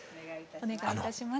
お願いいたします。